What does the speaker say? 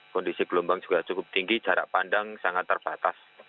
kondisi gelombang juga cukup tinggi jarak pandang sangat terbatas